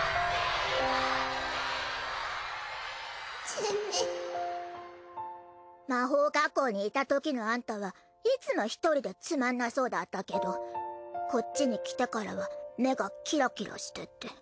チム魔法学校にいたときのアンタはいつも１人でつまんなそうだったけどこっちに来てからは目がキラキラしてて。